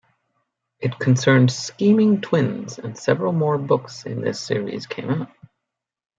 It concerned scheming twins and several more books in this series came out.